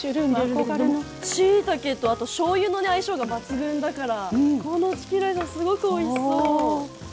しいたけとあと、しょうゆの相性が抜群だからこのチキンライスすごくおいしそう。